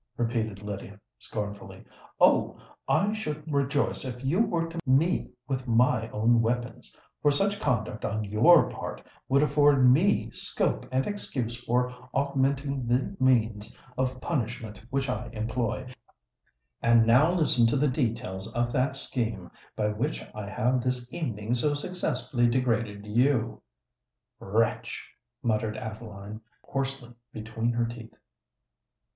repeated Lydia, scornfully. "Oh! I should rejoice if you were to meet me with my own weapons—for such conduct on your part would afford me scope and excuse for augmenting the means of punishment which I employ. And now listen to the details of that scheme by which I have this evening so successfully degraded you." "Wretch!" muttered Adeline, hoarsely between her teeth.